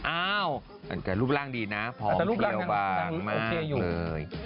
อ้าวรูปร่างดีนะพร้อมเที่ยวมากมากเลย